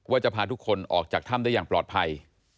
จะพาทุกคนออกจากถ้ำได้อย่างปลอดภัย